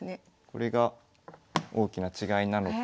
これが大きな違いなのと。